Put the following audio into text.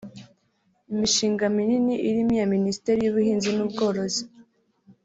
imishinga minini irimo iya Minisiteri y’Ubuhinzi n’Ubworozi